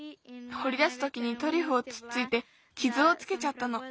ほりだすときにトリュフをつっついてきずをつけちゃったの。